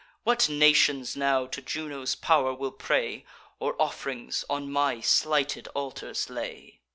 What nations now to Juno's pow'r will pray, Or off'rings on my slighted altars lay?"